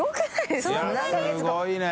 すごいね。